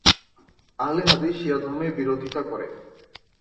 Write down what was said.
আহলে হাদিস শিয়া ধর্মের বিরোধিতা করে।